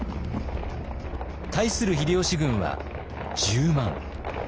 対する秀吉軍は１０万。